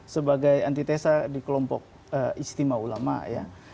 sebagai antitesa di kelompok istimewa ulama ya